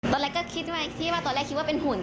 ตอนแรกก็คิดไว้ที่ว่าตอนแรกคิดว่าเป็นหุ่น